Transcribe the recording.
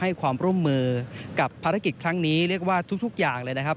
ให้ความร่วมมือกับภารกิจครั้งนี้เรียกว่าทุกอย่างเลยนะครับ